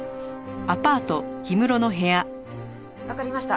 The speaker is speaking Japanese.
わかりました。